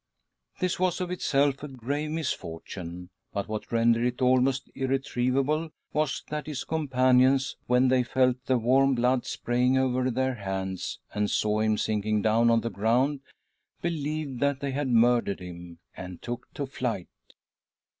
This was of itself a grave misfortune, but what rendered it almost irretrievable was that his com panions, when they felt the warm blood spraying over their hands and saw him sinking down, on the ground, believed that they had murdered him, and took to flight.